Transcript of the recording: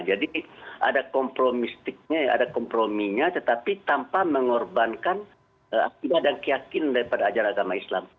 jadi ada kompromisnya tetapi tanpa mengorbankan aktif dan keyakinan daripada ajaran agama islam